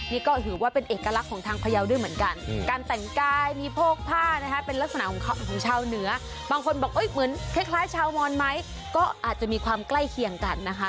นี่ก็ถือว่าเป็นเอกลักษณ์ของทางพยาวด้วยเหมือนกันการแต่งกายมีโพกผ้านะคะเป็นลักษณะของชาวเหนือบางคนบอกเหมือนคล้ายชาวมอนไหมก็อาจจะมีความใกล้เคียงกันนะคะ